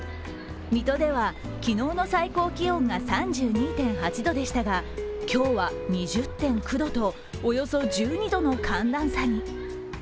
水戸では、昨日の最高気温が３２．８度でしたが、今日は２０．９度と、およそ１２度の寒暖差に。